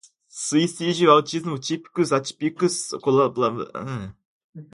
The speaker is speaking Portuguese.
suicídio, autismo, típicos, atípicos, clozapina, involuntário, internamento, psiquiátrico